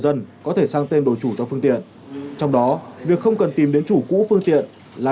dân có thể sang tên đổi chủ cho phương tiện trong đó việc không cần tìm đến chủ cũ phương tiện là